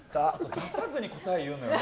出さずに答え言うのよね。